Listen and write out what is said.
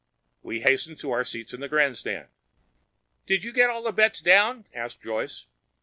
We hastened to our seats in the grandstand. "Did you get all the bets down?" asked Joyce.